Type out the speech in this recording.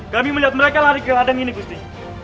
kami melihat mereka lari ke ladang ini gusti